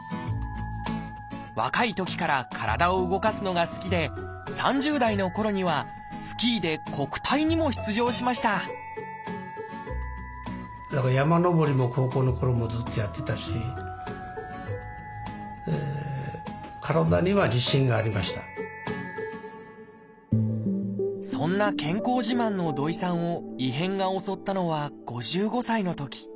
若いときから体を動かすのが好きで３０代のころにはそんな健康自慢の土井さんを異変が襲ったのは５５歳のとき。